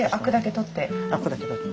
アクだけとって。